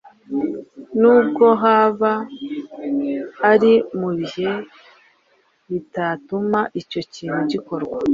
nubwo haba ari mu bihe bitatuma icyo kintu gikorwa.